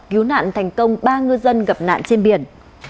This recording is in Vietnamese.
cứu nạn thành công ba ngư dân gặp nạn trên biển